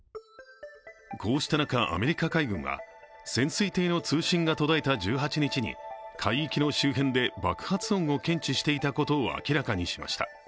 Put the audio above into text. こうした中、アメリカ海軍は潜水艇の通信が途絶えた１８日に、海域の周辺で爆発音を検知していたことを明らかにしました。